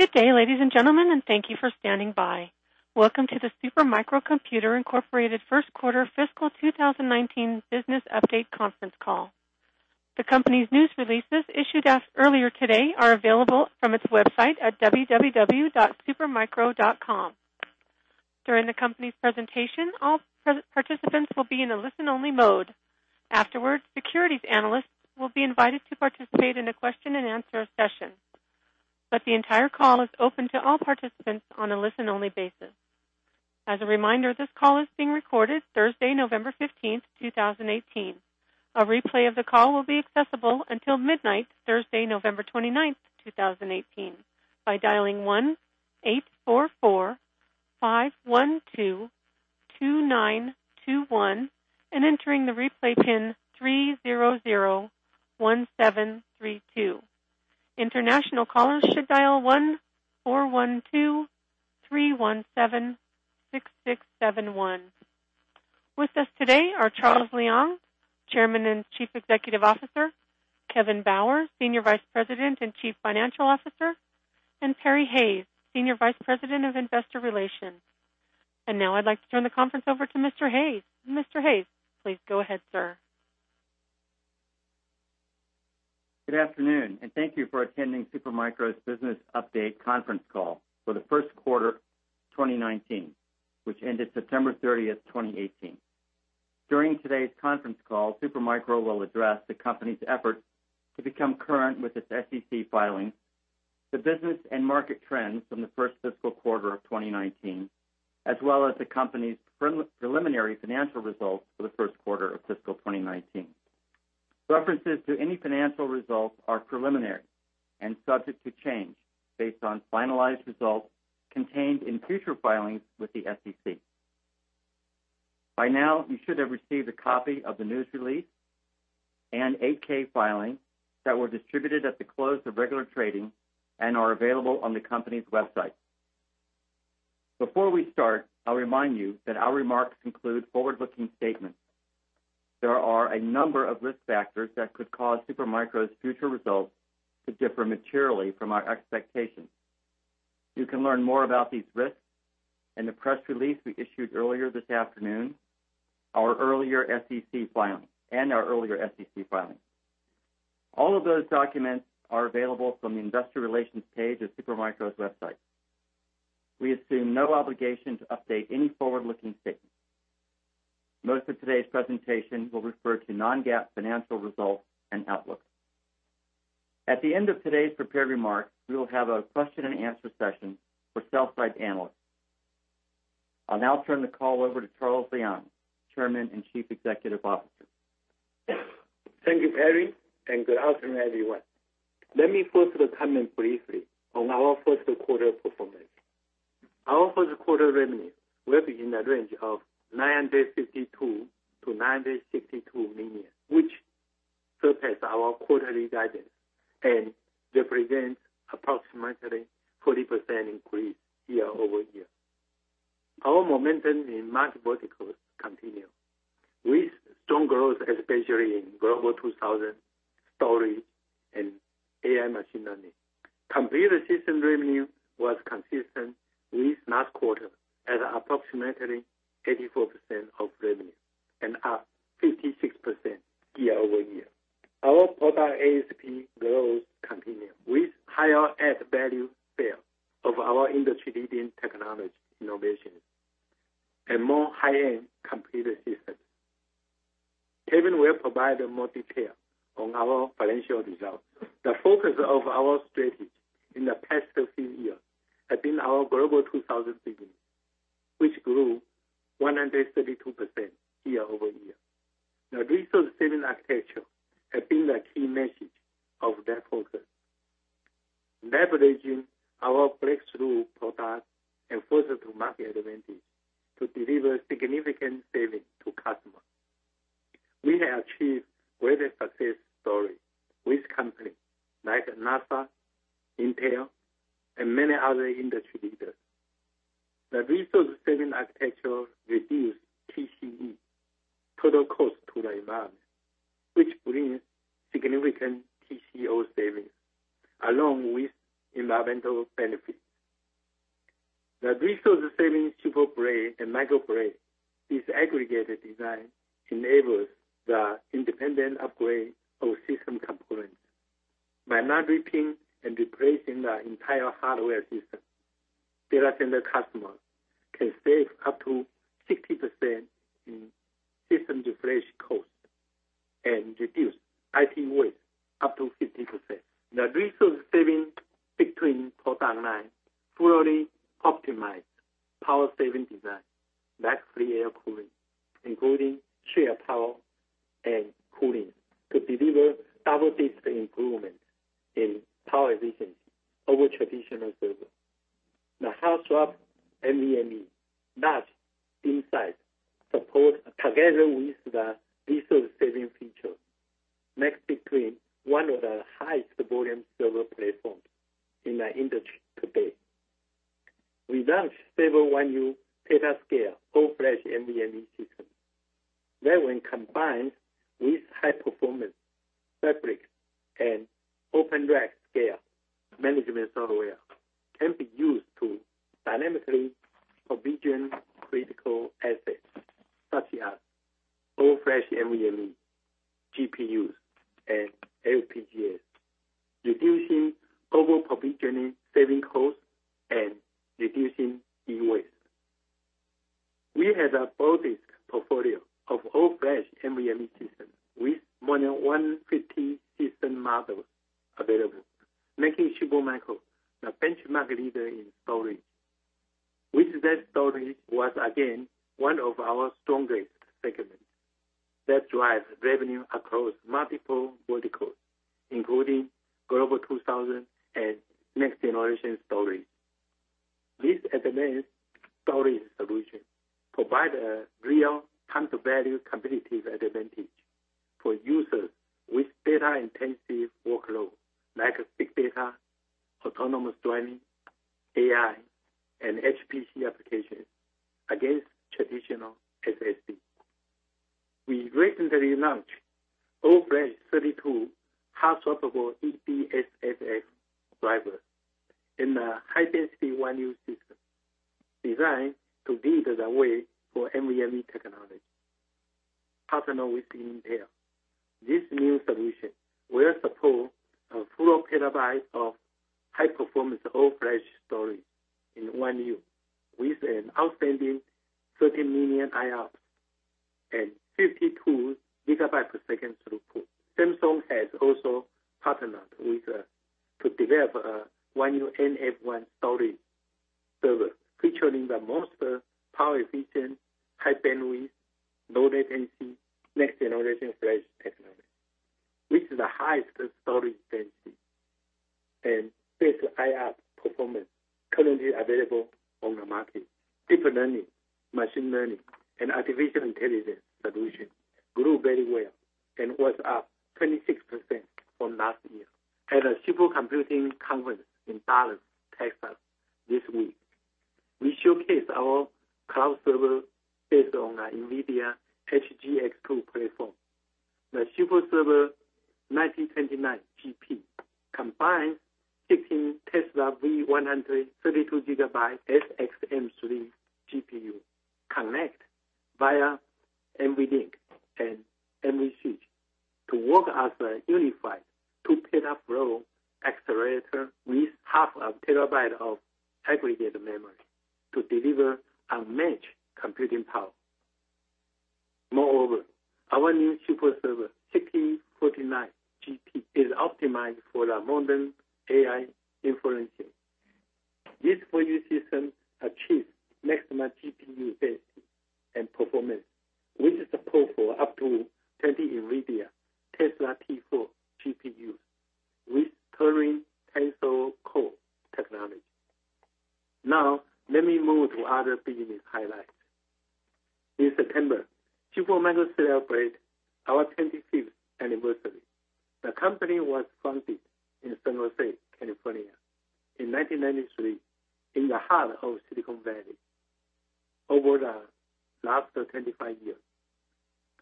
Good day, ladies and gentlemen, and thank you for standing by. Welcome to the Super Micro Computer Incorporated First Quarter Fiscal 2019 Business Update Conference Call. The company's news releases issued earlier today are available from its website at www.supermicro.com. During the company's presentation, all participants will be in a listen-only mode. Afterwards, securities analysts will be invited to participate in a question-and-answer session. The entire call is open to all participants on a listen-only basis. As a reminder, this call is being recorded Thursday, November 15th, 2018. A replay of the call will be accessible until midnight, Thursday, November 29th, 2018, by dialing 1-844-512-2921 and entering the replay pin 3001732. International callers should dial 1-412-317-6671. With us today are Charles Liang, Chairman and Chief Executive Officer, Kevin Bauer, Senior Vice President and Chief Financial Officer, and Perry Hayes, Senior Vice President of Investor Relations. Now I'd like to turn the conference over to Mr. Hayes. Mr. Hayes, please go ahead, sir. Good afternoon, and thank you for attending Super Micro's business update conference call for the first quarter 2019, which ended September 30th, 2018. During today's conference call, Super Micro will address the company's effort to become current with its SEC filings, the business and market trends from the first fiscal quarter of 2019, as well as the company's preliminary financial results for the first quarter of fiscal 2019. References to any financial results are preliminary and subject to change based on finalized results contained in future filings with the SEC. By now, you should have received a copy of the news release and 8-K filings that were distributed at the close of regular trading and are available on the company's website. Before we start, I'll remind you that our remarks include forward-looking statements. There are a number of risk factors that could cause Super Micro's future results to differ materially from our expectations. You can learn more about these risks in the press release we issued earlier this afternoon and our earlier SEC filings. All of those documents are available from the investor relations page of Super Micro's website. We assume no obligation to update any forward-looking statements. Most of today's presentation will refer to non-GAAP financial results and outlook. At the end of today's prepared remarks, we will have a question-and-answer session for sell-side analysts. I'll now turn the call over to Charles Liang, Chairman and Chief Executive Officer. Thank you, Perry, and good afternoon, everyone. Let me first comment briefly on our first quarter performance. Our first quarter revenue was in the range of $952 million-$962 million, which surpassed our quarterly guidance and represents approximately a 40% increase year-over-year. Our momentum in multiple verticals continued, with strong growth especially in Global 2000 storage and AI machine learning. Computer system revenue was consistent with last quarter at approximately 84% of revenue and up 56% year-over-year. Our product ASP growth continued with higher add value sale of our industry-leading technology innovations and more high-end computer systems. Kevin will provide more detail on our financial results. The focus of our strategy in the past 15 years has been our Global 2000 business, which grew 132% year-over-year. The Resource-Saving architecture has been the key message of that focus. Leveraging our breakthrough products and further to market advantage to deliver significant savings AI, and HPC applications against traditional SSD. We recently launched all-Flash 32 hot-swappable EDSFF drives in a high-density 1U system designed to lead the way for NVMe technology. Partnering with Intel, this new solution will support a full petabyte of aggregated memory to deliver unmatched computing power. Our new SuperServer 6049GP is optimized for the modern AI inferencing. This 4U system achieves maximum GPU density and performance with support for up to 20 NVIDIA Tesla T4 GPUs with Turing Tensor Core technology. Let me move to other business highlights. In September, Super Micro celebrated our 25th anniversary. The company was founded in San Jose, California in 1993 in the heart of Silicon Valley. Over the last 25 years,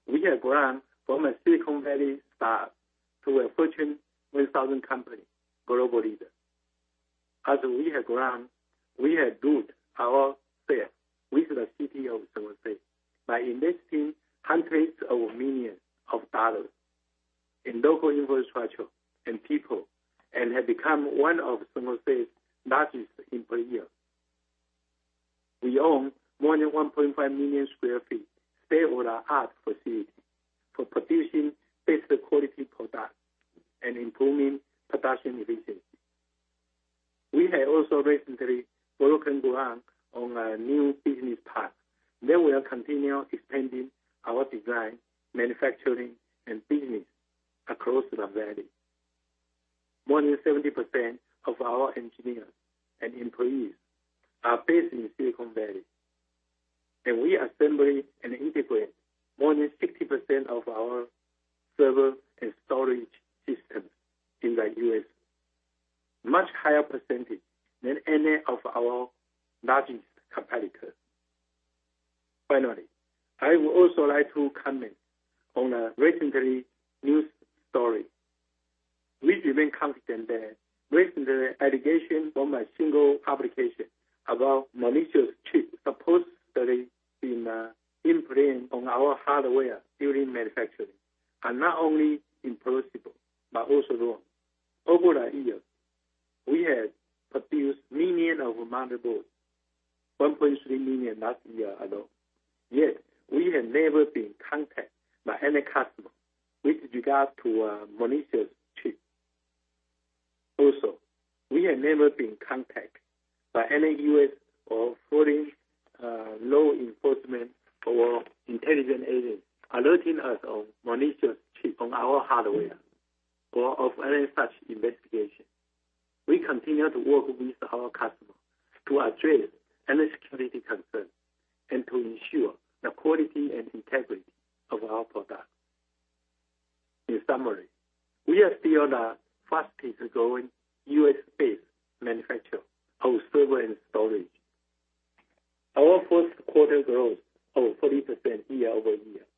we have grown from a Silicon Valley start to a Fortune 1000 company global leader. As we have grown, we have rooted ourselves with the city of San Jose by investing hundreds of millions of dollars in local infrastructure and people and have become one of San Jose's largest employers. We own more than 1.5 million sq ft state-of-the-art facilities for producing best quality products and improving production efficiency. We have also recently broken ground on a new business park that will continue expanding our design, manufacturing, and business across the Valley. More than 70% of our engineers and employees are based in Silicon Valley, and we assembly and integrate more than 60% of our server and storage systems in the U.S., much higher percentage than any of our largest competitors. I would also like to comment on a recent news story. We remain confident that recent allegations from a single publication about malicious chips supposedly being implanted on our hardware during manufacturing are not only impossible, but also wrong. Over the years, we have produced millions of motherboards, 1.3 million last year alone. We have never been contacted by any customer with regard to a malicious chip. We have never been contacted by any U.S. or foreign law enforcement or intelligence agent alerting us of malicious chip on our hardware or of any such investigation. We continue to work with our customers to address any security concern and to ensure the quality and integrity of our products. In summary, we are still the fastest growing U.S.-based manufacturer of server and storage. Our first quarter growth of 40% year-over-year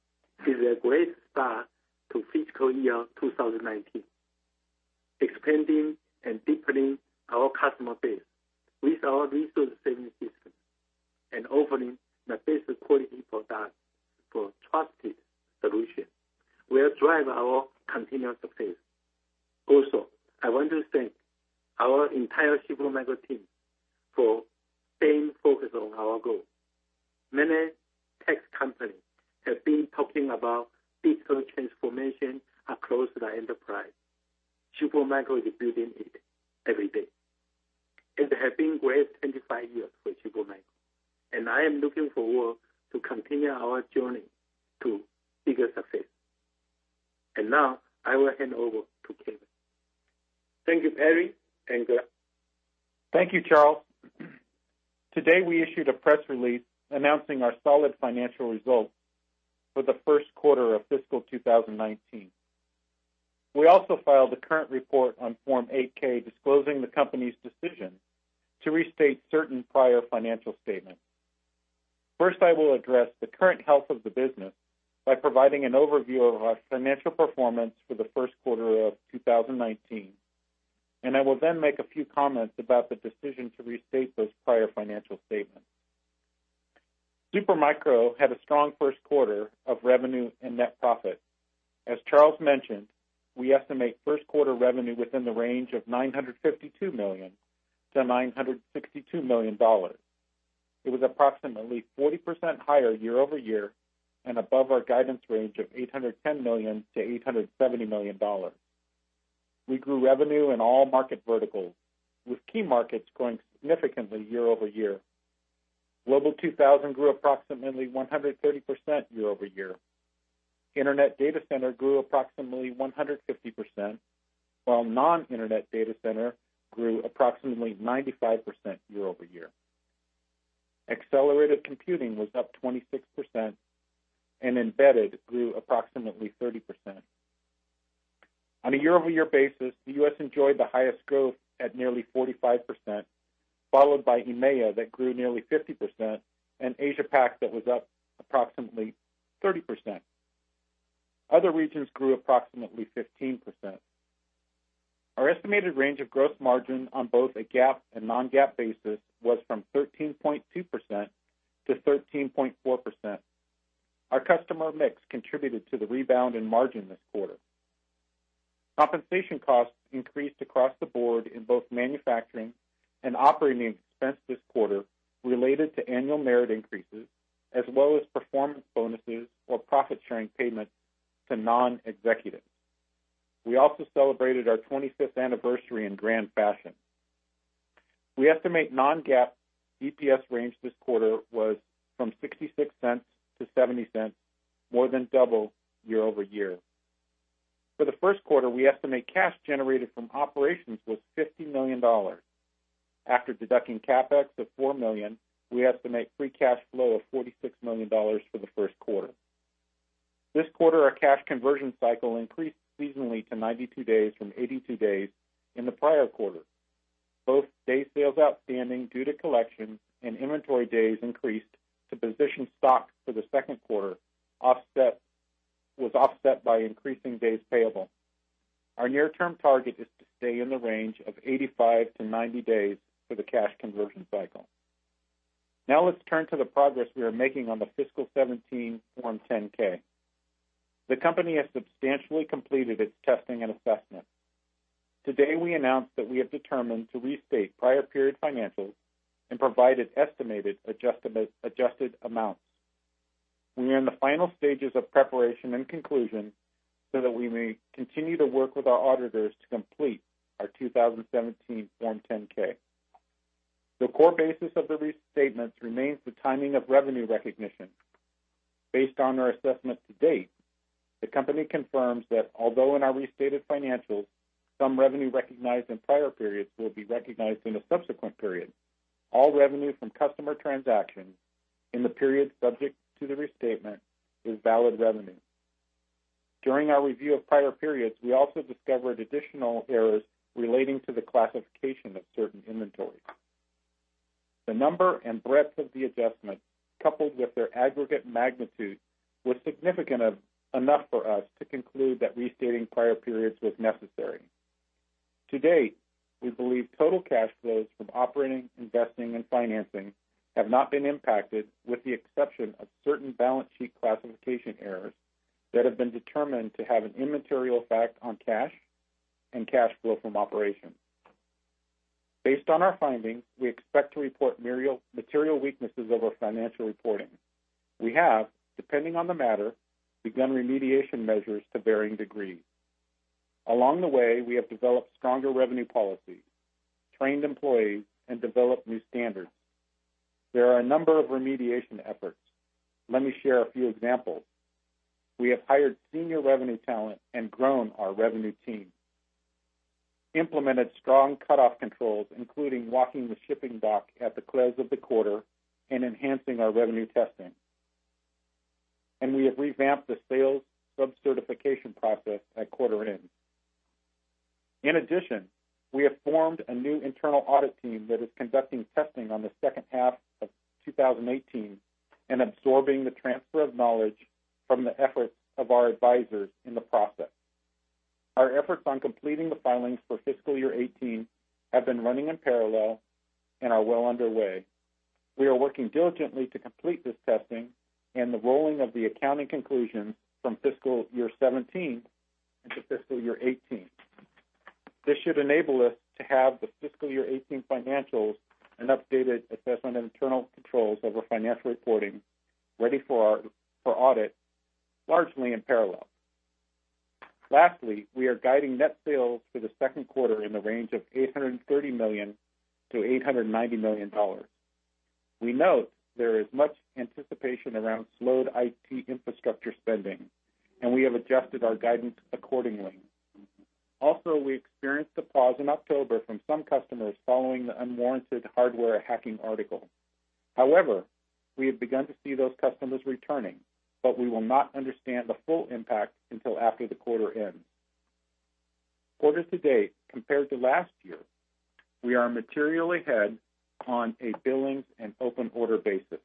is a great start to fiscal year 2019. Expanding and deepening our customer base and I will then make a few comments about the decision to restate those prior financial statements. Supermicro had a strong first quarter of revenue and net profit. As Charles mentioned, we estimate first quarter revenue within the range of $952 million-$962 million. It was approximately 40% higher year-over-year and above our guidance range of $810 million-$870 million. We grew revenue in all market verticals, with key markets growing significantly year-over-year. Global 2000 grew approximately 130% year-over-year. Internet Data Center grew approximately 150%, while non-Internet Data Center grew approximately 95% year-over-year. Accelerated computing was up 26%, and embedded grew approximately 30%. On a year-over-year basis, the U.S. enjoyed the highest growth at nearly 45%, followed by EMEA, that grew nearly 50%, and Asia PAC, that was up approximately 30%. Other regions grew approximately 15%. Our estimated range of gross margin on both a GAAP and non-GAAP basis was from 13.2%-13.4%. Our customer mix contributed to the rebound in margin this quarter. Compensation costs increased across the board in both manufacturing and operating expense this quarter related to annual merit increases, as well as performance bonuses or profit-sharing payments to non-executives. We also celebrated our 25th anniversary in grand fashion. We estimate non-GAAP EPS range this quarter was from $0.66 to $0.70, more than double year-over-year. For the first quarter, we estimate cash generated from operations was $50 million. After deducting CapEx of $4 million, we estimate free cash flow of $46 million for the first quarter. This quarter, our cash conversion cycle increased seasonally to 92 days from 82 days in the prior quarter. Both day sales outstanding due to collections and inventory days increased to position stock for the second quarter, was offset by increasing days payable. Our near-term target is to stay in the range of 85 to 90 days for the cash conversion cycle. Let's turn to the progress we are making on the fiscal 2017 Form 10-K. The company has substantially completed its testing and assessment. Today, we announced that we have determined to restate prior period financials and provide an estimated adjusted amounts. We are in the final stages of preparation and conclusion so that we may continue to work with our auditors to complete our 2017 Form 10-K. The core basis of the restatements remains the timing of revenue recognition. Based on our assessment to date, the company confirms that although in our restated financials, some revenue recognized in prior periods will be recognized in a subsequent period, all revenue from customer transactions in the period subject to the restatement is valid revenue. During our review of prior periods, we also discovered additional errors relating to the classification of certain inventories. The number and breadth of the adjustments, coupled with their aggregate magnitude, was significant enough for us to conclude that restating prior periods was necessary. To date, we believe total cash flows from operating, investing, and financing have not been impacted, with the exception of certain balance sheet classification errors that have been determined to have an immaterial effect on cash and cash flow from operations. Based on our findings, we expect to report material weaknesses of our financial reporting. We have, depending on the matter, begun remediation measures to varying degrees. Along the way, we have developed stronger revenue policies, trained employees, and developed new standards. There are a number of remediation efforts. Let me share a few examples. We have hired senior revenue talent and grown our revenue team Implemented strong cutoff controls, including walking the shipping dock at the close of the quarter and enhancing our revenue testing. We have revamped the sales sub-certification process at quarter end. In addition, we have formed a new internal audit team that is conducting testing on the second half of 2018 and absorbing the transfer of knowledge from the efforts of our advisors in the process. Our efforts on completing the filings for fiscal year 2018 have been running in parallel and are well underway. We are working diligently to complete this testing and the rolling of the accounting conclusions from fiscal year 2017 into fiscal year 2018. This should enable us to have the fiscal year 2018 financials, an updated assessment of internal controls over financial reporting ready for audit largely in parallel. Lastly, we are guiding net sales for the second quarter in the range of $830 million-$890 million. We note there is much anticipation around slowed IT infrastructure spending. We have adjusted our guidance accordingly. Also, we experienced a pause in October from some customers following the unwarranted hardware hacking article. However, we have begun to see those customers returning, but we will not understand the full impact until after the quarter ends. Quarter to date, compared to last year, we are materially ahead on a billings and open order basis.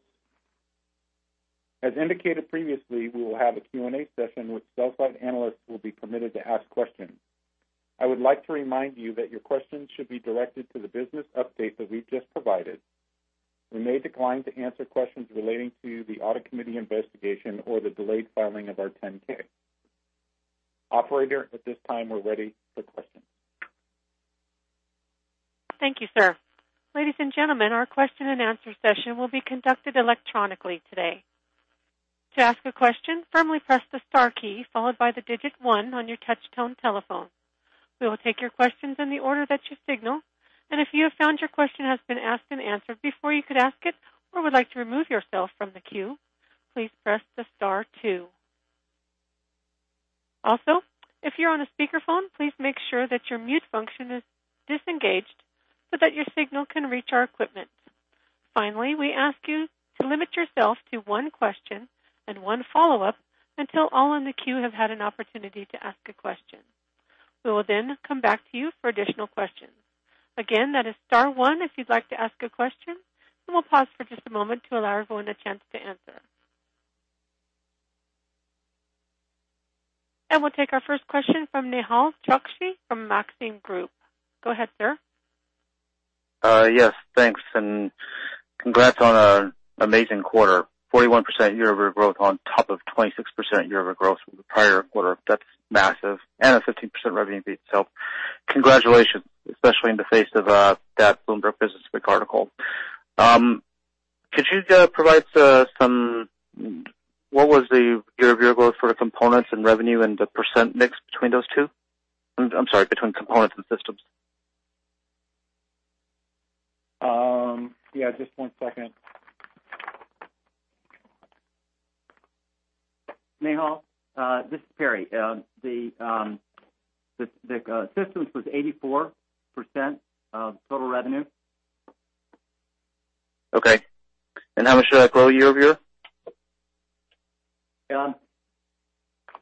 As indicated previously, we will have a Q&A session which sell-side analysts will be permitted to ask questions. I would like to remind you that your questions should be directed to the business update that we've just provided. We may decline to answer questions relating to the audit committee investigation or the delayed filing of our 10-K. Operator, at this time, we're ready for questions. Thank you, sir. Ladies and gentlemen, our question-and-answer session will be conducted electronically today. To ask a question, firmly press the star key followed by the digit one on your touch tone telephone. We will take your questions in the order that you signal, and if you have found your question has been asked and answered before you could ask it or would like to remove yourself from the queue, please press the star two. Also, if you're on a speakerphone, please make sure that your mute function is disengaged so that your signal can reach our equipment. Finally, we ask you to limit yourself to one question and one follow-up until all in the queue have had an opportunity to ask a question. We will then come back to you for additional questions. That is star one if you'd like to ask a question, and we'll pause for just a moment to allow everyone a chance to answer. We'll take our first question from Nehal Chokshi from Maxim Group. Go ahead, sir. Yes, thanks, congrats on an amazing quarter. 41% year-over-year growth on top of 26% year-over-year growth from the prior quarter. That's massive. A 15% revenue beat. Congratulations, especially in the face of that Bloomberg Businessweek article. Could you provide what was the year-over-year growth for components and revenue and the percent mix between those two? I'm sorry, between components and systems. Yeah, just one second. Nehal, this is Perry. The systems was 84% of total revenue. Okay, how much did that grow year-over-year? Well,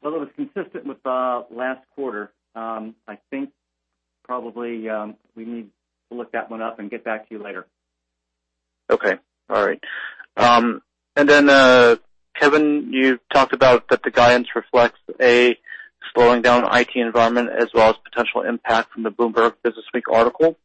it was consistent with last quarter. I think probably we need to look that one up and get back to you later. Okay, all right. Kevin, you talked about that the guidance reflects a slowing down IT environment as well as potential impact from the Bloomberg Businessweek article.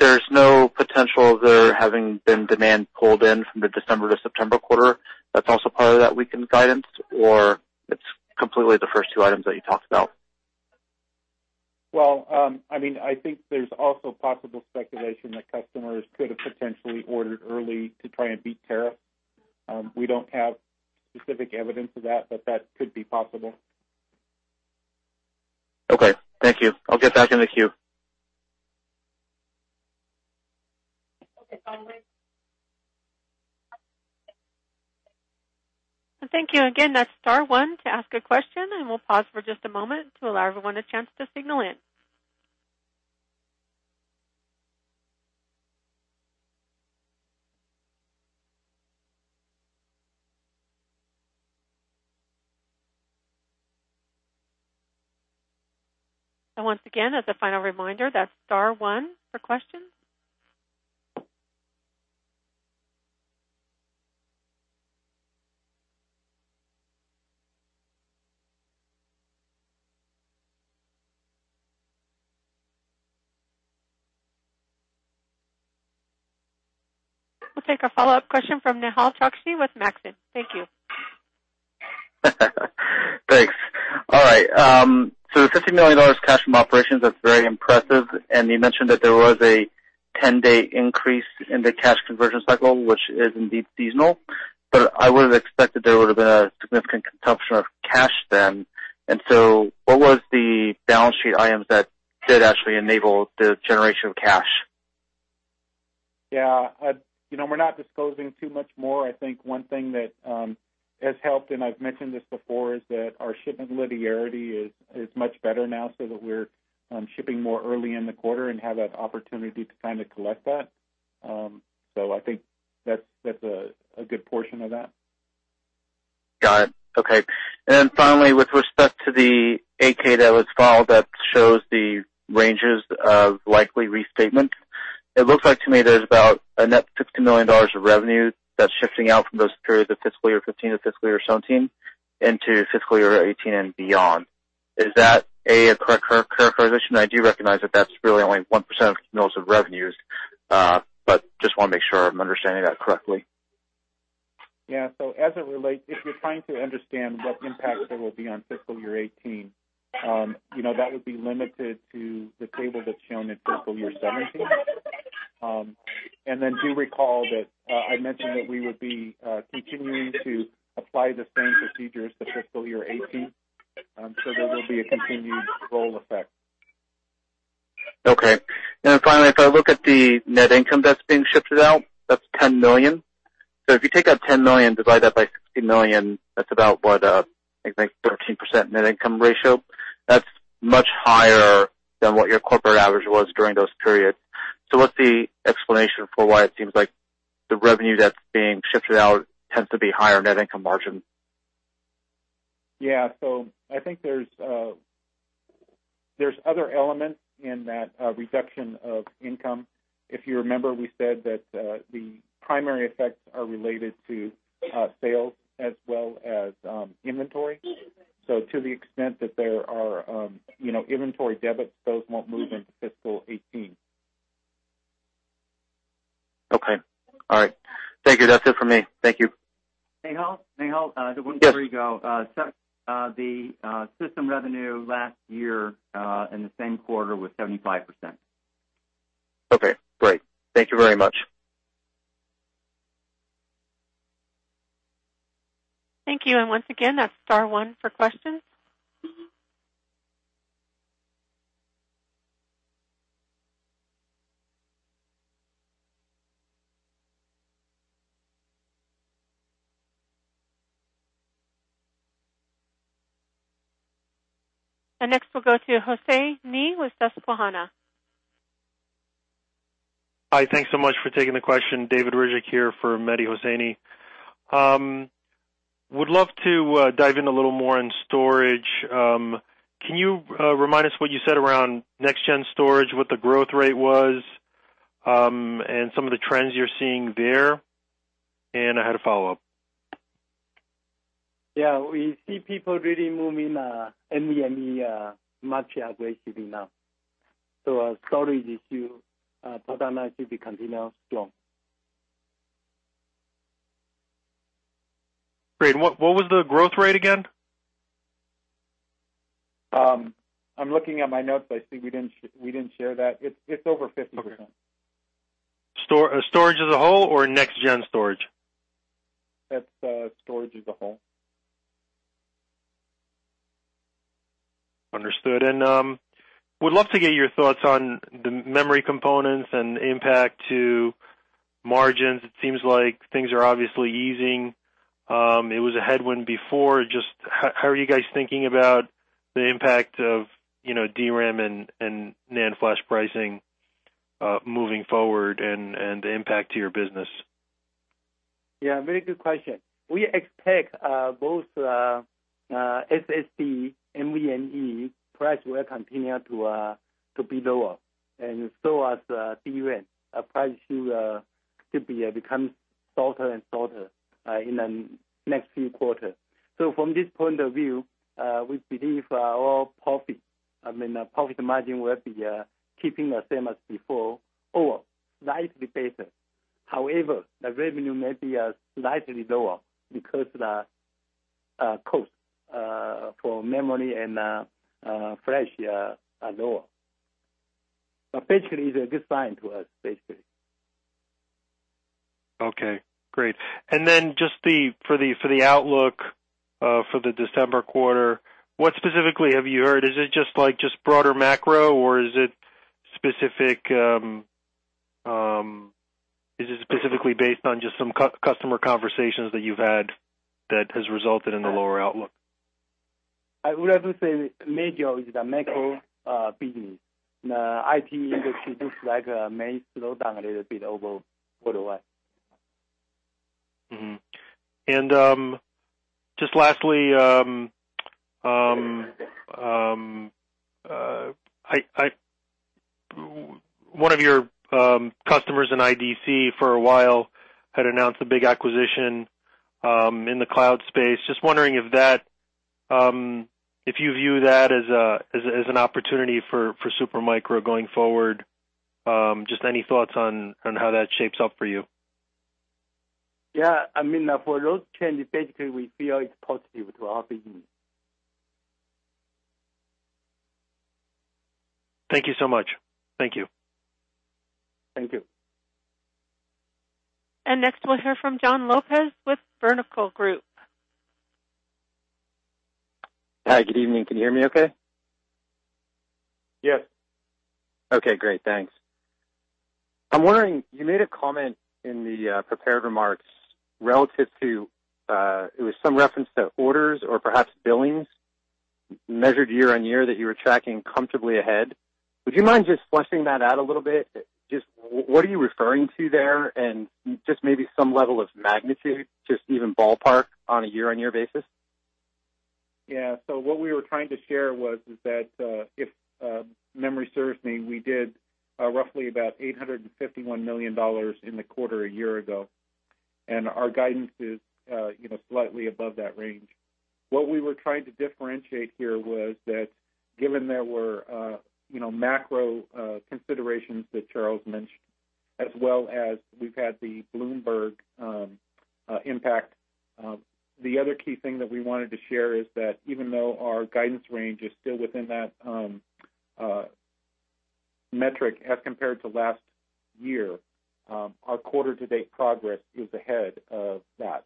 There's no potential there having been demand pulled in from the December to September quarter that's also part of that weakened guidance, it's completely the first two items that you talked about? Well, I think there's also possible speculation that customers could have potentially ordered early to try and beat tariff. We don't have specific evidence of that, but that could be possible. Okay, thank you. I'll get back in the queue. Thank you again. That's star one to ask a question, we'll pause for just a moment to allow everyone a chance to signal in. Once again, as a final reminder, that's star one for questions. We'll take a follow-up question from Nehal Chokshi with Maxim. Thank you. Thanks. All right. The $50 million cash from operations, that's very impressive. You mentioned that there was a 10-day increase in the cash conversion cycle, which is indeed seasonal, but I would have expected there would have been a significant consumption of cash then. What was the balance sheet items that did actually enable the generation of cash? Yeah. We're not disclosing too much more. I think one thing that has helped, I've mentioned this before, is that our shipment linearity is much better now, that we're shipping more early in the quarter and have that opportunity to kind of collect that. I think that's a good portion of that. Got it. Okay. Finally, with respect to the 8-K that was filed, that shows the ranges of likely restatement, it looks like to me there's about a net $50 million of revenue that's shifting out from those periods of fiscal year 2015 to fiscal year 2017, into fiscal year 2018 and beyond. Is that a correct characterization? I do recognize that that's really only 1% of revenues. Just want to make sure I'm understanding that correctly. Yeah. As it relates, if you're trying to understand what impact there will be on fiscal year 2018, that would be limited to the table that's shown in fiscal year 2017. Do recall that I mentioned that we would be continuing to apply the same procedure as the fiscal year 2018, there will be a continued roll effect. Okay. Finally, if I look at the net income that's being shifted out, that's $10 million. If you take that $10 million, divide that by $15 million, that's about, what, I think 13% net income ratio. That's much higher than what your corporate average was during those periods. What's the explanation for why it seems like the revenue that's being shifted out tends to be higher net income margin? Yeah. I think there's other elements in that reduction of income. If you remember, we said that the primary effects are related to sales as well as inventory. To the extent that there are inventory debits, those won't move into fiscal 2018. Okay. All right. Thank you. That's it for me. Thank you. Nehal? Nehal? Yes. Before you go, the system revenue last year, in the same quarter, was 75%. Okay, great. Thank you very much. Thank you. Once again, that's star one for questions. Next we'll go to Hosseini with Susquehanna. Hi. Thanks so much for taking the question. David Ryzhik here for Mehdi Hosseini. Would love to dive in a little more on storage. Can you remind us what you said around next gen storage, what the growth rate was, and some of the trends you're seeing there? I had a follow-up. Yeah. We see people really moving NVMe much aggressively now. Storage issue, but I'm not going to continue long. Great. What was the growth rate again? I'm looking at my notes. I see we didn't share that. It's over 50%. Okay. Storage as a whole or next gen storage? That's storage as a whole. Understood. Would love to get your thoughts on the memory components and impact to margins. It seems like things are obviously easing. It was a headwind before. Just how are you guys thinking about the impact of DRAM and NAND flash pricing, moving forward and the impact to your business? Yeah, very good question. We expect both SSD, NVMe price will continue to be lower and DRAM price should become softer and softer in the next few quarters. From this point of view, we believe our profit margin will be keeping the same as before or slightly better. However, the revenue may be slightly lower because the cost for memory and flash are lower. Basically, it's a good sign to us, basically. Okay, great. Just for the outlook for the December quarter, what specifically have you heard? Is it just broader macro, or is it specifically based on just some customer conversations that you've had that has resulted in the lower outlook? I would rather say major is the macro business. IT industry looks like may slow down a little bit over worldwide. Just lastly, one of your customers in IDC for a while had announced a big acquisition in the cloud space. Just wondering if you view that as an opportunity for Super Micro going forward. Just any thoughts on how that shapes up for you? Yeah. For those changes, basically, we feel it's positive to our business. Thank you so much. Thank you. Thank you. Next we'll hear from John Lopez with Vertical Group. Hi, good evening. Can you hear me okay? Yes. Okay, great. Thanks. I'm wondering, you made a comment in the prepared remarks relative to, it was some reference to orders or perhaps billings measured year-over-year that you were tracking comfortably ahead. Would you mind just fleshing that out a little bit? Just what are you referring to there and just maybe some level of magnitude, just even ballpark on a year-over-year basis? What we were trying to share was that, if memory serves me, we did roughly about $851 million in the quarter a year ago, and our guidance is slightly above that range. What we were trying to differentiate here was that given there were macro considerations that Charles mentioned, as well as we've had the Bloomberg impact. The other key thing that we wanted to share is that even though our guidance range is still within that metric as compared to last year, our quarter-to-date progress is ahead of that.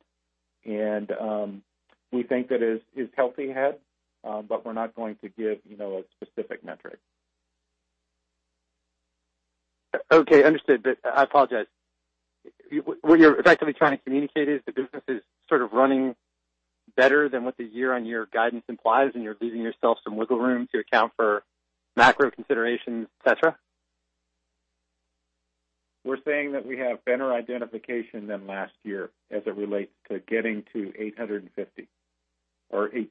We think that is healthy ahead, but we're not going to give a specific metric. Okay, understood. I apologize. What you're effectively trying to communicate is the business is sort of running better than what the year-over-year guidance implies, and you're leaving yourself some wiggle room to account for macro considerations, et cetera? We're saying that we have better identification than last year as it relates to getting to $850 or $860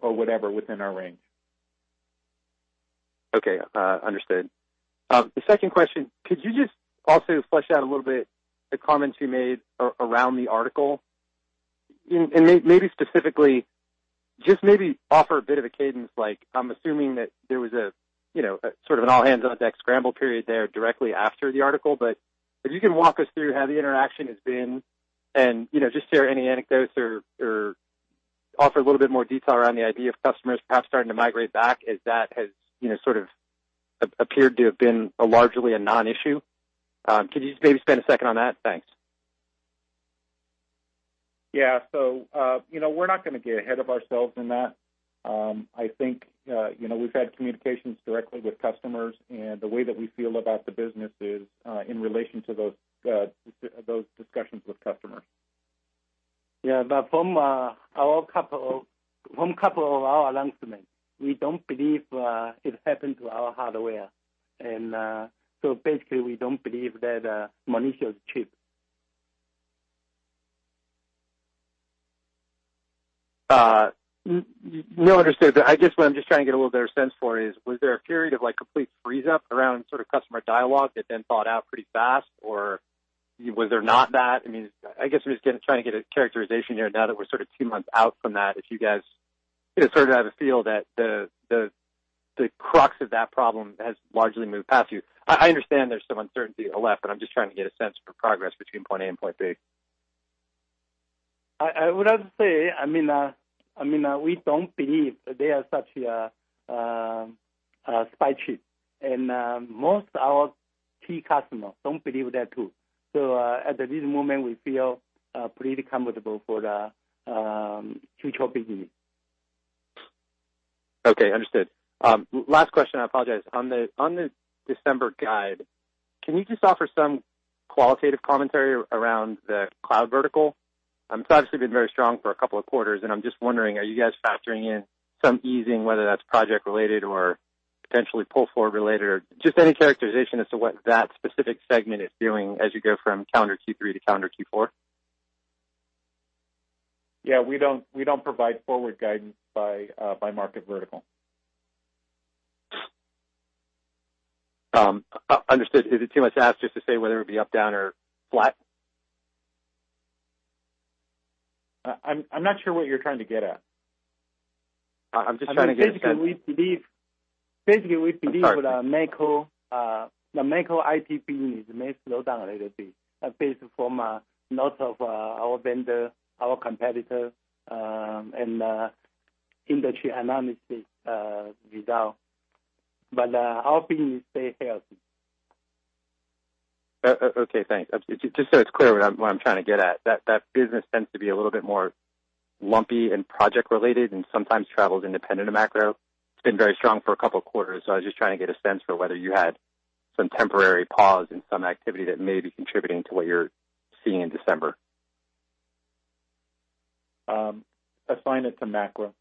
or whatever within our range. Okay, understood. The second question, could you just also flesh out a little bit the comments you made around the article and maybe specifically just maybe offer a bit of a cadence. I'm assuming that there was a sort of an all-hands-on-deck scramble period there directly after the article. If you can walk us through how the interaction has been and just share any anecdotes or offer a little bit more detail around the idea of customers perhaps starting to migrate back as that has sort of appeared to have been largely a non-issue. Could you just maybe spend a second on that? Thanks. Yeah. We're not going to get ahead of ourselves in that. I think we've had communications directly with customers, and the way that we feel about the business is in relation to those discussions with customers. Yeah. From a couple of our announcements, we don't believe it happened to our hardware. Basically, we don't believe that malicious chip. Understood. I guess what I'm just trying to get a little better sense for is, was there a period of complete freeze up around sort of customer dialogue that then thawed out pretty fast, or was there not that? I guess I'm just going to try and get a characterization here now that we're sort of two months out from that. If you guys sort of have a feel that the crux of that problem has largely moved past you. I understand there's some uncertainty left. I'm just trying to get a sense for progress Twin point A and point B. I would have to say, we don't believe there is such a spy chip. Most our key customers don't believe that, too. At this moment, we feel pretty comfortable for the future business. Understood. Last question, I apologize. On the December guide, can you just offer some qualitative commentary around the cloud vertical? It's obviously been very strong for a couple of quarters. I'm just wondering, are you guys factoring in some easing, whether that's project related or potentially pull forward related or just any characterization as to what that specific segment is doing as you go from calendar Q3 to calendar Q4? We don't provide forward guidance by market vertical. Understood. Is it too much to ask just to say whether it be up, down, or flat? I'm not sure what you're trying to get at. I'm just trying to get a sense. Basically, we believe the macro IT business may slow down a little bit based from a lot of our vendor, our competitor, and industry analysis result. Our business stay healthy. Okay, thanks. Just so it's clear what I'm trying to get at, that business tends to be a little bit more lumpy and project related and sometimes travels independent of macro. It's been very strong for a couple of quarters. I was just trying to get a sense for whether you had some temporary pause in some activity that may be contributing to what you're seeing in December. Assign it to macro.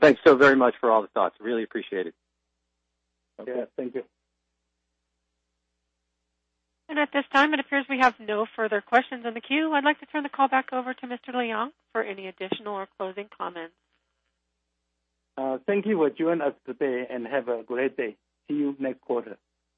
Thanks so very much for all the thoughts. Really appreciate it. Yeah. Thank you. At this time, it appears we have no further questions in the queue. I'd like to turn the call back over to Mr. Liang for any additional or closing comments. Thank you for joining us today, and have a great day. See you next quarter.